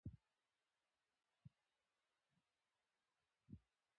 که ښځه عاید ولري، نو د ماشومانو اړتیاوې پوره کولی شي.